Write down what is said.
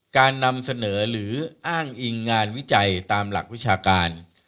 การนำเสนอหรืออ้างอิงงานวิจัยตามหลักวิชาการ